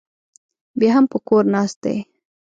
بیا هم په کور ناست دی